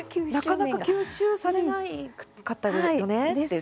なかなか吸収されなかったよねって。